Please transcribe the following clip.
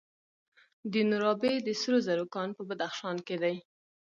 د نورابې د سرو زرو کان په بدخشان کې دی.